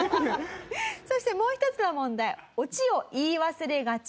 そしてもう一つの問題オチを言い忘れがち。